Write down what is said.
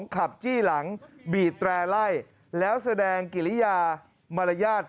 ขับจี้หลังบีบแตร่ไล่แล้วแสดงกิริยามารยาท